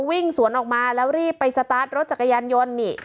วิ่งสวนออกมาแล้วรีบไปสตาร์ทรถจักรยานยนต์นี่